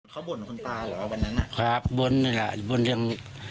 เขาบ่นคุณตาเหรอวันนั้นอ่ะครับบนนั่นแหละบนยัง